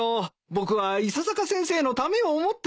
僕は伊佐坂先生のためを思って。